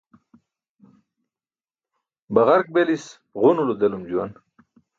Baġark belis ġunulo delum juwan.